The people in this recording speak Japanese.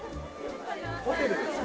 ホテルですね。